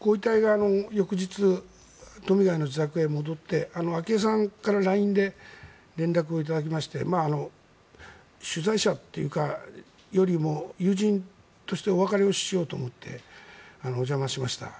ご遺体が翌日、自宅へ戻って昭恵さんからＬＩＮＥで連絡をいただきまして取材者というよりも友人としてお別れをしようと思ってお邪魔しました。